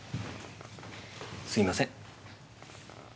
すみません。